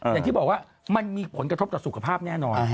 อย่างที่บอกว่ามันมีผลกระทบต่อสุขภาพแน่นอน